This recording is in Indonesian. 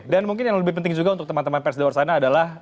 dan mungkin yang lebih penting juga untuk teman teman pers di luar sana adalah